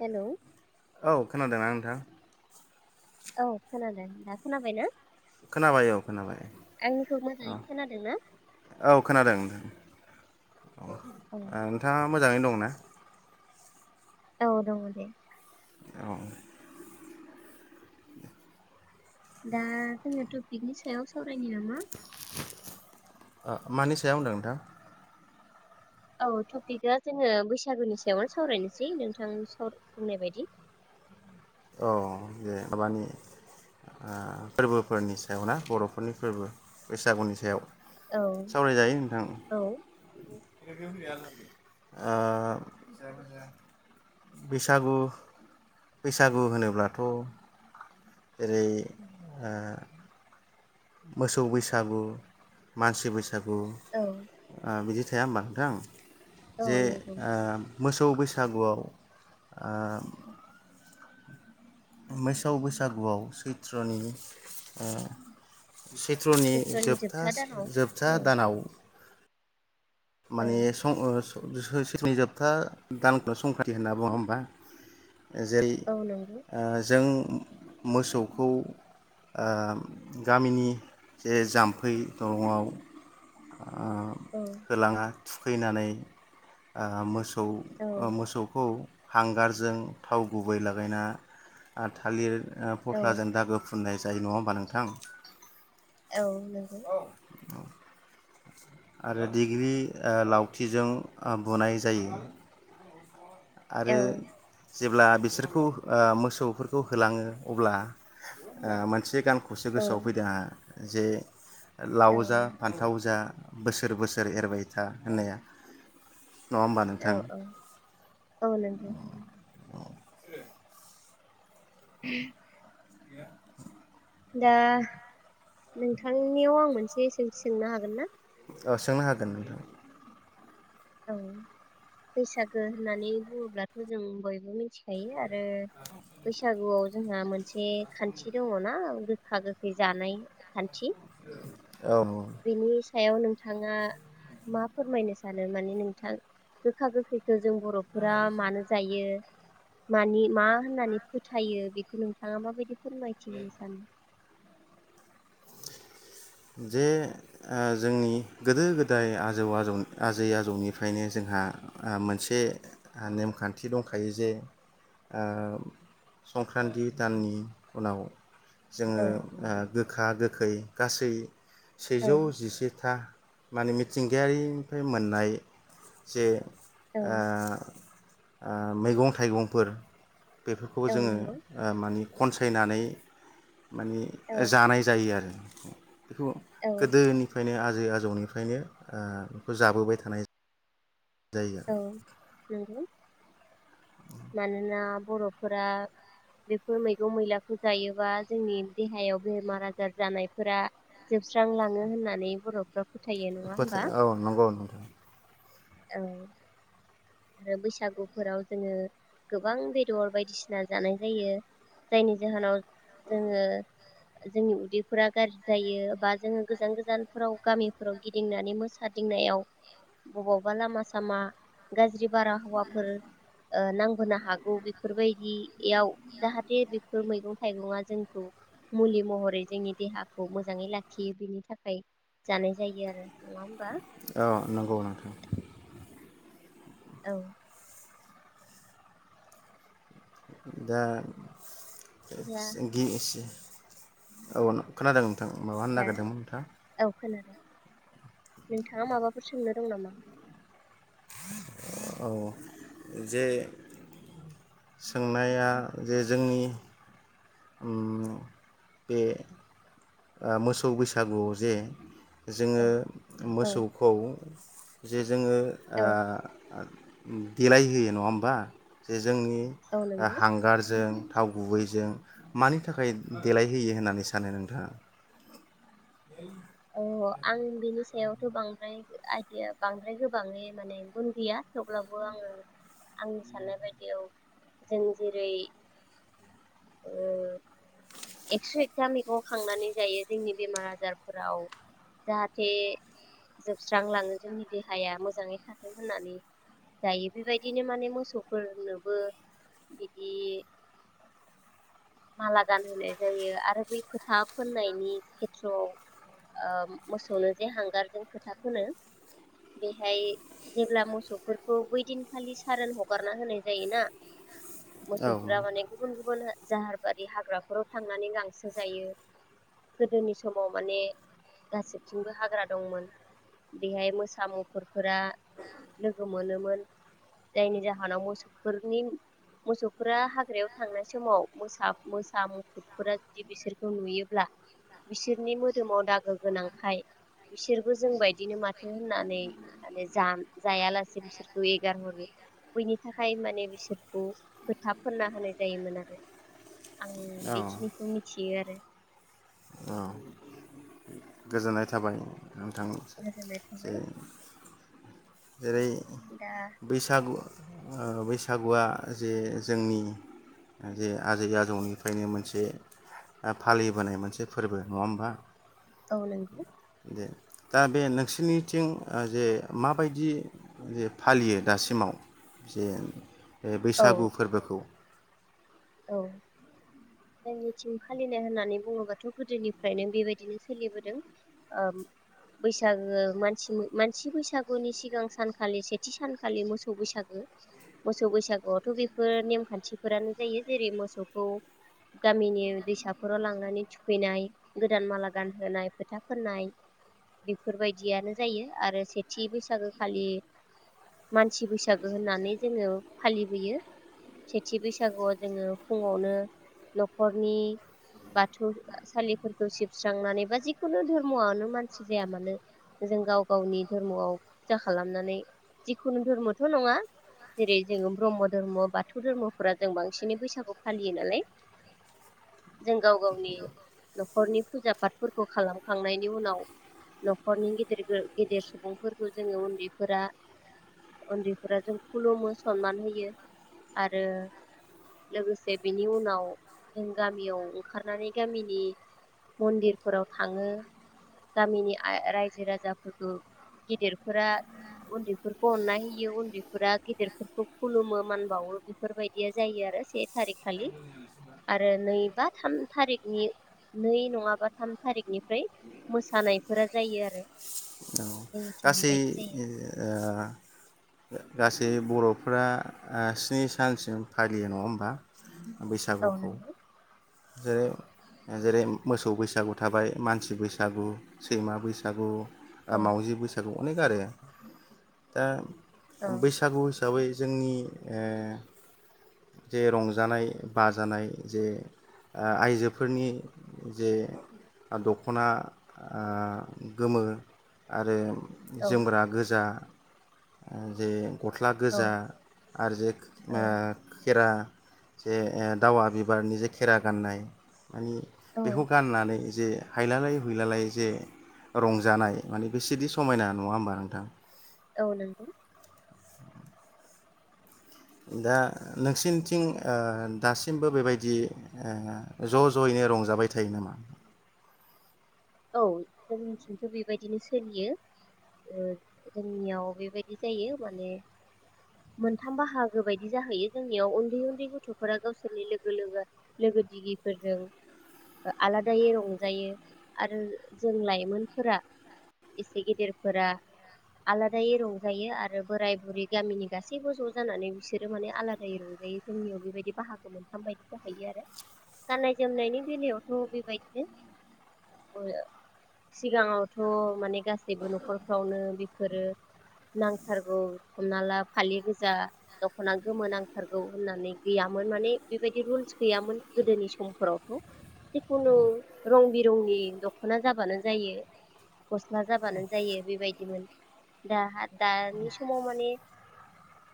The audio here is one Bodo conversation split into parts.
हेलौ औ खोनादों आं। दा औ खोनादों दा खोनाबायना? खोनाबाय औ खोनाबाय आंनिखौ औ मोजाङै खोनादों ना औ खोनादों नो ओ औ नोंथाङा मोजाङै दङ? ना औ दङ दे। औ। दा जोङो टपिकनि सायाव सावरायनि नामा? ओ मानि सायाव होनदों नोंथां? औ टपिकआ जोङो बैसागुनि सायावनो सावरायनोसै नोंथां साव बुंनाय बायदि। औ जे माबानि ओ फोर्बोफोरनि सायाव ना बर'फोरनि फोर्बो बैसागुनि सायाव। औ सावराय जायो नोंथां। औ ओ बैसागु बैसागु होनोब्लाथ' ओरै ओ मोसौ बैसागु मानसि बैसा सागु औ ओ बिदि थाया होमबा? थां औ जे नंगौ ओ मोसौ सौ बैसागुआव ओ मोसौ बैसागुआव सैत्रनि ओ सैत्रनि जोबथा जोबथास दानाव जोबथा औ दानाव औ माने सं ओ सोरनि जोबथा दानखौनो संखाथि होनना बुङो होमबा? जेरै औ नंगौ ओ जों मोसौखौ ओ गामिनि जे जाम्फै दङआव औ। बा थुखैनानै ओ मोसौ औ ओ मोसौखौ हांगारजों थाव गुबै लागायना आ थालिर ओ औ फस्लाजों दागो फुननाय जायो नङा होमबा नोंथां? औ नोंगौ। आरो दिग्रि ओ लावथिजों ओ बुनाय जायो। औ आरो जेब्ला बिसोरखौ ओ मोसौफोरखौ होलाङो अब्ला मोनसे ओ गान खौसो औ गोसोआव फैदों आंहा। जे लाव औ जा फान्थाव जा बोसोर बोसोर एरबाय था होननाया नङा होमबा औ नोंथां। औ औ नंगौ। [unintelligible] [unintelligible] [inaudible] दा नोंथांनियाव आं मोनसे सोंथि सोंनो हागोन ना। औ सोंनो हागोन नोंथां। औ बैसागो होननानै बुङोब्लाथ जों बयबो मिथिखायो आरो आरो बैसागो गुआव जोंहा मोनसे खान्थि दङना गोखा गोखै जानाय खान्थि। ओं। औ। बेनि सायाव नोंथाङा मा फोरमायनो सानो माने नोंथां गोखा गोखै जों बरफोरा मानो जायो। मानि मा होननानै फोथायो बेखौ नोंथाङा माबायदि फोरमायथिनो सानदो जे ओ जोंनि गोदो गोदाय आजौ आजौ आजै आजौनिफ्रायनो जोंहा मोनसे नेमखान्थि दंखायो जे ओ संक्रान्ति दाननि उनाव औ जोङो ओ गोखा गोखै गासै औ सेजौ जिसेथा माने मिथिंगायारिनिफ्राय मोननाय जे औ ओ। ओ मैगं थाइगंफोर बेफोरखौबो औ जोङो नंगौ मानि खनसायनानै माने औ जानाय जायो आरो। खौ औ गोदोनिफ्रायनो आ आजै आजौनिफ्रायनो ओ बेखौ जाबोबाय थानाय जायो। आरो औ नंगौ। मानोना बरफोरा बेफोर मैगं मैलाखौ जायोबा जोंनि देहायाव बेमार आजार जानायफोरा जोबस्रांलाङो होननानै बरफ्रा फोथायो नङा बोथो होमबा औ नंगौ नोंथां औ आरो बैसागुफोराव जोङो गोबां बेदर बायदिसिना जानाय जायो जायनि जाहोनाव जोङो जोंनि उदैफोरा गाज्रि जायो बा जोङो गोजान गोजानफोराव गामिफोराव गिदिंनानै मोसादिंनायाव बबावबा लामा सामा गाज्रि बारा हौवाफोर ओ नांबोनो हागौ बेफोरबायदि इयाव जाहाथे बेफोर मैगं थाइगङा जोंखौ मुलि महरै जोंनि देहाखौ मोजाङै लाखियो बिनि थाखाय जानाय जायो आरो नङा होमबा औ नंगौ नोंथां औ दा दा [unintelligible] औ नों खोनादों थां माबाफोर होननो हो नागिरदोंमोन नोंथां औ खोनादों नोंथाङा माबाफोर सोंनो दं नामा औ जे सोंनाया जे जोंनि उम बेे ओ मोसौ बैसागुआव जे जोङो औ औ मोसौखौ जे जोङो आ औ देलाइ होयो नङा होमबा ज जोंनि औ नंगौ हांगारजों थाव गुबैजों मानि थाखाय देलायहोयो होननानै सानो नोंथाङा ओं औ आं बिनि सायावथ बांद्राय आइदिया बांद्राय गोबाङै माने गुन गैया थेवब्लाबो आङो आंनि साननाय बायदि औ जों जेरै ओ एक्स एकथा मैगं खांनानै जायो जोंनि बेमार आजार फोराव जाहाथे जोबस्रांलाङो जोंनि देहाया मोजाङै थाथों होननानै जायो बेबायदिनो माने मोसौफोरनोबो बिदि माला गानहोनाय जायो आरो बै फोथा फोननायनि खेथ्रआव ओ मोसौनो जे हांगारजों खोथा फोनो बेहाय जेब्ला मोसौफोरखौ बैदिनखालि सारोन हगारना होनाय जायोना औ मोसौफ्रा माने गुबुन गुबुन गुबुन जाहारबारि हाग्राफोराव थांनानै गांसो जायो गोदोनि समाव माने गासैथिंबो हाग्रा दंमोन बेहाय मोसा मुफुरफोरा लोगो मोनोमोन जायनि जाहोनाव मोसफोरनि मोसौफोरा हाग्रायाव थांनाय समाव मोसा मुफुरफोरा जुदि बिसोरखौ नुयोब्ला बिसोरनि मो दोमाव दागो गोनांखाय बिसोरबो जोंबायदिनो माथो होननानै माने जा जायालासे बिसोरखौ एगार हरो बैनि थाखाय माने बिसोरखौ खोथा फोनना होनाय जायोमोन आरो आं औ बेखिनिखौ मि थियो आरो औ गोजोननाय थाबाय नोंथां गोजोननाय जे थाबाय जेरै दा बैसागु ओ‌ बैसागुआ जे जोंनि जे आजै आजौनिफ्रायनो मोनसे ‌ओ फालिबोनाय मोनसे फोरबो नङा होमबा? औ नंगौ। दे दा बे नोंसोरनिथिं जे माबायदि जे फालियो दासिमाव? जे बे औ बैसागु फोरबोखौ? औ जोंनिथिं फालिनाय होननानै बुङोबाथ' गोदोनिफ्रायनो बेबायदिनो सोलिबोदों ओ बैसागो मानसि-मानसि बैसागुनि सिगां सानखालि सेथि सानखालि मोसौ बैसागो मोसौ बैसागुआवथ' बेफोर नेमखान्थिफोरानो जायो। जेरै मोसौखौ गामिनि दैसाफोराव लांनानै थुखैनाय गोदान माला गानहोनाय फोथा फोननाय बेफोरबायदियानो जायो आरो सेथि बैसागो खालि मानसि बैसागो होननानै जोङो फालिबोयो सेथि बैसागुआव जोङो फुङावनो नखरनि बाथौसालिफोरखौ सिबस्रांनानै बा जिखुनु धर्मआनो मानसि जाया मानो जों गाव गावनि धर्मआव फुजा खालामनानै जिखुनु धर्मथ' नङा जेरै जोङो ब्रह्म धर्म बाथौ धोरमफोरा जों बां सिनि बैसागु फालियो नालाय जों गाव गावनि नखरनि फुजा पातफोरखौ खालामखांनायनि उनाव नखरनि गिदिर-गिदिर सुबुंफोरखौ जोङो उन्दैफोरा उन्दैफोरा जों खुलुमो सनमान होयो आरो लोगोसे बेनि उनाव जों गामियाव ओंखारनानै गामिनि मन्दिरफोराव थाङो गामिनि आय-रायजो राजाफोरखौ गेदिरफोरा उन्दैफोरखौ अननाय होयो उन्दैफोरा गिदिरफोरखौ खुलुमो मान बावो बेफोरबायदिया जायो आर [unintelligible] से थारिख खालि आरो नै बा थाम थारिकनि नै नङाबा थाम थारिखनिफ्राय मोसानायफोरा जायो आरो औ जोंनिथिं गासै बेबायदि ओ जायो आ ओ गास जे बर'फोरा ओ सिनि सानसिम फालियो नङा होमबा? औ बैसागुखौ नंगौ जेरै-जेरै मोसौ बैसागु थाबाय मानसि बैसागु सैमा बैसागु औ मावजि बैसागु अनेक आरो दा औ बैसागु सो दाबै जोंनि ओ‌ जे रंजानाय बाजानाय जे ‌ओ आइजोफोरनि जे दख'ना ओ गोमो आरो औ जोमग्रा गोजा आ जे गस्ला औ गोजा आरो जे औ ख-खेरा जे ए दावा बिबारनि जेखि खेरा गाननाय मानि औ बेखौ गाननानै‌ जे हायलालाय हुइलालाय जे रंजानाय माने बेसेदि समायना नङा होमबा नोंथां‌? औ नांगौ। दा नोंसिनिथिं ओ दासिमबो बेबायदि ओ ज' ज'यैनो रंजाबाय थायो नामा‌? औ जोंनिथिंथ' बेबायदिनो सोलियो ओ जोंनियाव बेबायदि जायो माने मोनथाम बाहागो बायदि जाहैयो जोंनियाव उन्दै उन्दै गथफ्रा गावसोरनि लोगो - लोगो लोगो दिगिफोरजों आलादायै रंजायो। आरो जों लाइमोनफोरा एसे गेदेरफोरा आलादायै रंजायो आरो बोराय बुरै गामिनि गासैबो ज' जानानै बिसोरो माने आलादायै रंजायो जोंनियाव बेबायदि बाहागो मोनथाम बायदि जाहैयो गाननाय जोमनायनि बेलायावथ बेबायदिनो [unintelligible] सिगाङावथ' माने गासैबो नखरफ्रावनो बेफोरो नांथारगौ हमना ला फालि गोजा दख'ना गोमो नांथारगौ होननानै गैयामोन माने बेबायदि रुल्स गैयामोन गोदोनि समफोरावथ' जिखुनु रं बि दौनि दख'ना जाबानो जायो गस्ला जाबानो जायो बेबायदिमोन दाहाथ-दानि समाव माने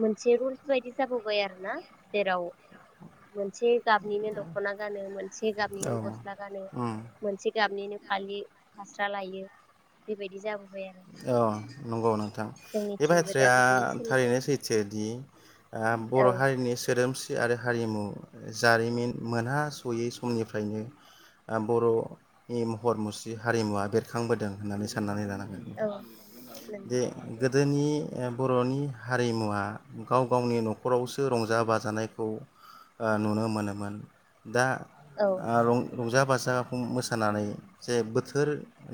मोनसे रुलस बायदि जाबोबाय आरोना जेराव मोनसे गाबनिनो दख'ना गानो मोन से औ गाम्बनिनो गस्ला गानो उम मोनसे गाबनिनो फालि फास्रा लायो बेबायदि जाब औ। नंगौ नों थां बे जोंनिथिंबो दा बाथ्राया बिदिनो सोलिबाय थारैनो सैथोदि ओ बर' औ हारिनि सोदोमस्रि मुस्रि आरो हारिमु जारिमिन मोनहासयै समनिफ्रायनो ओ बर'नि महर मुस्रि हारिमुवा बेरखांबोदों होननानै साननानै लानांगोन। औ नं जोंनि बर'नि हारिमुवा गाव गावनि नखरावसो रंजा बाजानायखौ नुनो मोनोमोन। दा औ रं। रंजा बाजाखौ मोसानानै जे बोथोर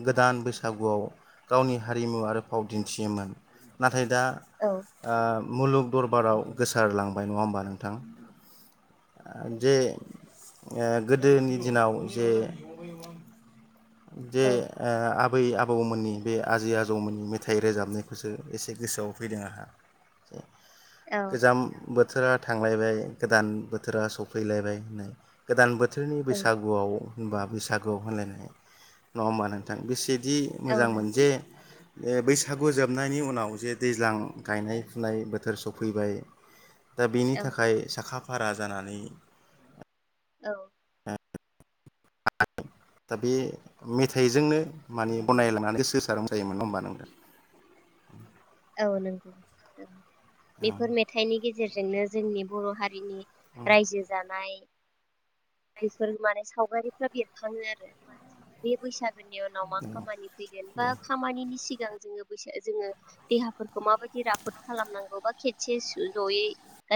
गोदान बैसागुआव। गावनि हारिमु आरो फाव दिन्थियोमोन नाथ नाथाय दा औ आ। मुलुग दरबाराव गोसारलांबाय नङा होमबा नोंथां जे गोदोनि दिनाव जे। जे औ अ। बै आबौमोननि। बे आजै आजौमोननि मेथाइ रोजाबनायखौसो एसे गोसोआव फैदों आंहाे। औ गोजाम। बोथोरा थांलायबाय गोदान बोथोरा सफैलायबाय होननाय गोदान बोथोर। बोथोरनि औ बैसागुआव। होनबा बैसागुआव होनलायनाय नङा होमबा नोंथां बेसे। बिदि औ मोजां मोन। नंगौ अ बैसागु जोबनायनि उनाव जे दैज्लां गायनाय फुनायनि बोथोर सफैबाय। दा बेनि औ थाखाय साखा। भारा जानानै। औ। दा बे मेथाइजोंनो माने बनायलांनानै सोरबा सोरबा जायोमोन नङा होमबा नों दा। औ नंगौ औ। बेफोर मेथाइनि गेजेर। गेजेरजोंनो जोंनि बर' हारिनि। रायजो जानाय। बेफोर माने सावगारिफ्रा बेरखाङो आरो बे बैसागो। नि उनाव मा औ खामानि फैगोन बा दे खामनि सिगां। सिां जोंङो बा जोङो देहाफोरखौ माबायदि राफोद खालामनांगौ बा खेबसे जयै।